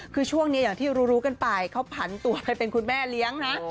คือช่วงนี้อย่างที่รู้กันไปเขาผันตัวไปเป็นคุณแม่เลี้ยงนะ